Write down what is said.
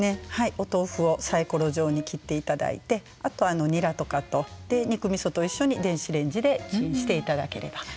お豆腐をさいころ状に切っていただいてあと、にらとかと肉みそと一緒に電子レンジでチンしていただければ。